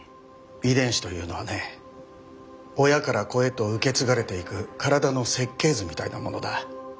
遺伝子というのはね親から子へと受け継がれていく体の設計図みたいなものだ。